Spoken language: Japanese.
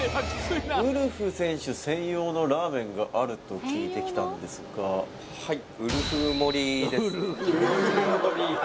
ウルフ選手専用のラーメンがあると聞いてきたんですがはいウルフ盛り？